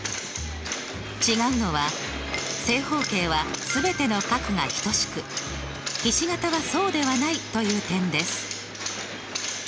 違うのは正方形は全ての角が等しくひし形はそうではないという点です。